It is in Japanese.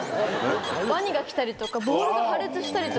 ワニが来たりとかボールが破裂したりとか。